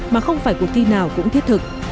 mà không phải cuộc thi nào cũng thiết thực